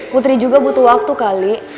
putri juga butuh waktu kali